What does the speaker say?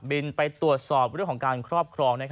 ไปตรวจสอบเรื่องของการครอบครอง